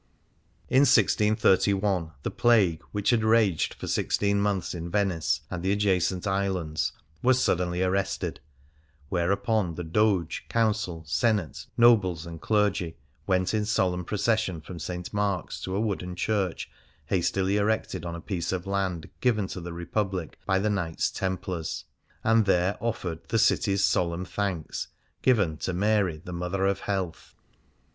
In 1631 the plague, which had raged for sixteen months in Venice and the adjacent islands, was suddenly arrested ; whereupon the Doge, Council, Senate, nobles, and clergy went in solemn procession from St. Mark's to a wooden church hastily erected on a piece of land given to the Republic by the Knights Templars, and there offered the city's solemn thanks given to " INlary the Mother of Health."